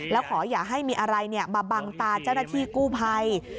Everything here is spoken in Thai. แล้วขออย่าให้มีอะไรมาบังตาเจ้าหน้าที่กู้ภัย